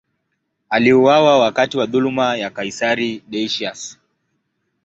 Aliuawa wakati wa dhuluma ya kaisari Decius.